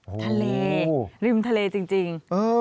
ทะเลริมทะเลจริง